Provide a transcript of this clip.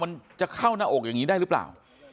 มันจะเข้าหน้าอกอย่างนี้ได้หรือเปล่า